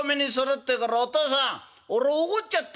ってえからお父さん俺怒っちゃったの。